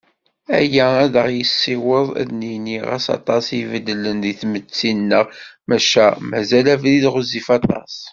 Aya, ad aɣ-yessiweḍ ad d-nini: Ɣas aṭas i ibeddlen deg tmetti-nneɣ, maca mazal abrid ɣezzif aṭas.